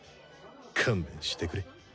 勘弁してくれ。